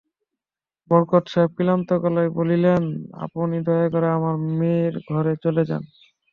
বরকত সাহেব ক্লান্ত গলায় বললেন, আপনি দয়া করে আমার মেয়ের ঘরে চলে যান।